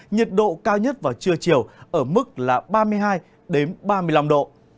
nhiệt độ cao nhất vào trưa chiều ở mức là ba mươi hai ba mươi năm độ